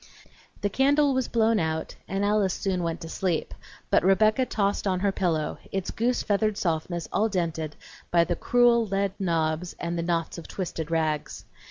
The candle was blown out and Alice soon went to sleep, but Rebecca tossed on her pillow, its goose feathered softness all dented by the cruel lead knobs and the knots of twisted rags.